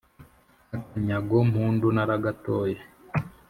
akanyago mpundu naragatoye!